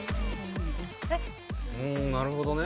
うんなるほどね。